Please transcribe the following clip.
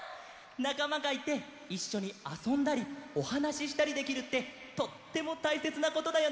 なかまがいていっしょにあそんだりおはなししたりできるってとってもたいせつなことだよね！